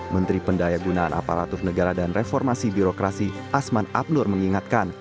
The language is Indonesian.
menteri pendaya gunaan aparatur negara dan reformasi birokrasi asman abnur mengingatkan